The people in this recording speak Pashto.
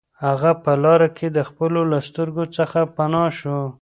هغه په لاره کې د خلکو له سترګو څخه پناه شو